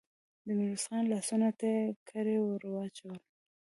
د ميرويس خان لاسونو ته يې کړۍ ور واچولې.